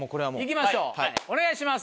いきましょうお願いします。